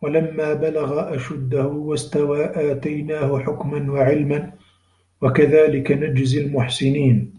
وَلَمّا بَلَغَ أَشُدَّهُ وَاستَوى آتَيناهُ حُكمًا وَعِلمًا وَكَذلِكَ نَجزِي المُحسِنينَ